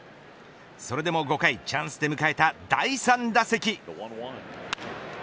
それでも５回、チャンスで迎えた第３打席。